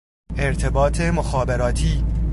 ارتباط مخابراتی